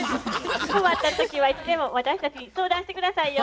困った時はいつでも私たちに相談して下さいよ。